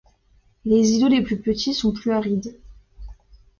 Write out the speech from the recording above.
Les îlots les plus petits sont plus arides.